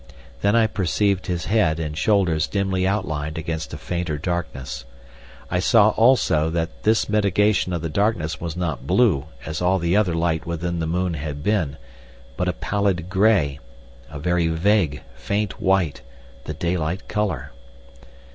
Then I perceived his head and shoulders dimly outlined against a fainter darkness. I saw, also, that this mitigation of the darkness was not blue, as all the other light within the moon had been, but a pallid grey, a very vague, faint white, the daylight colour.